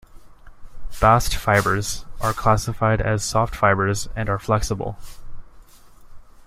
Bast fibres are classified as soft fibres, and are flexible.